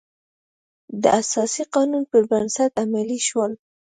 د اساسي قانون پر بنسټ عملي شول.